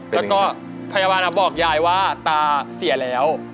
แล้วก็พยาบาลบอกยายว่าตาเสียแล้ว